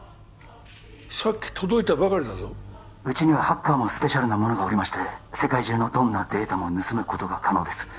さっき届いたばかりだぞうちにはハッカーもスペシャルな者がおりまして世界中のどんなデータも盗むことが可能です